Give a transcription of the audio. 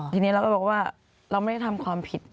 ทีนี้เราก็บอกว่าเราไม่ได้ทำความผิด